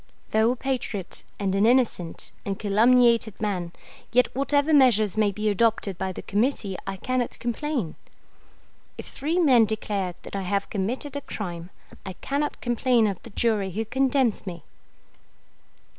Though a patriot and an innocent and calumniated man, yet whatever measures may be adopted by the Committee I cannot complain. If three men declare that I have committed a crime, I cannot complain of the jury who condemns me.